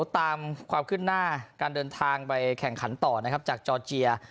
ตามความขึ้นหน้าการเดินทางไปแข่งขันต่อนะครับจากจอร์เจีย